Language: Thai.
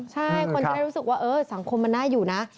ใช่คนจะได้รู้สึกว่าสังคมมันน่าอยู่นะ